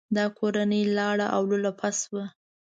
دا کورنۍ لاړه او لولپه شوه.